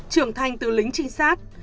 trường thanh tư lính trinh sát